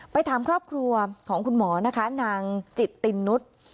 ไปถามครอบครัวของคุณหมอนะคะนางจิตตินนุษย์